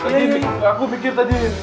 tadi aku mikir tadi